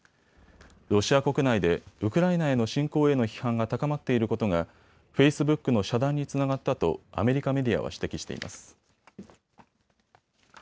ロシア国内でウクライナへの侵攻への批判が高まっていることがフェイスブックの遮断につながったとアメリカメディアは指摘しています。